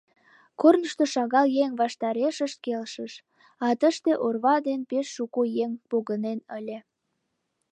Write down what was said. Корнышто шагал еҥ ваштарешышт келшыш, а тыште орва ден пеш шуко еҥ погынен ыле.